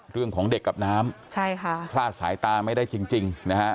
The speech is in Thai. เรื่องของเด็กกับน้ำใช่ค่ะคลาดสายตาไม่ได้จริงนะฮะ